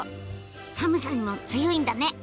寒さにも強いんだね！